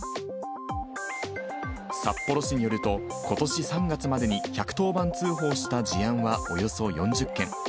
札幌市によると、ことし３月までに１１０番通報した事案はおよそ４０件。